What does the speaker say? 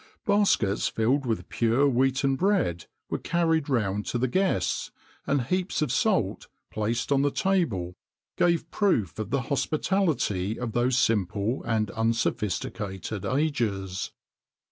[XXIX 54] Baskets, filled with pure wheaten bread, were carried round to the guests,[XXIX 55] and heaps of salt, placed on the table, gave proof of the hospitality of those simple and unsophisticated ages.